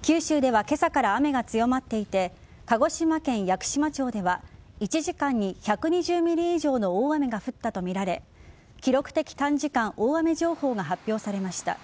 九州では今朝から雨が強まっていて鹿児島県屋久島町では１時間に１２０ｍｍ以上の大雨が降ったとみられ記録的短時間大雨情報が発表されました。